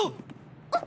あっ！